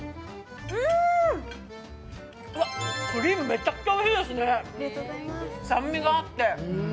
うわっ、クリームめちゃくちゃおいしいですね、酸味があって。